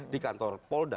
di kantor polda